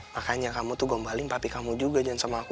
makanya kamu tuh gombalin papi kamu juga jangan sama aku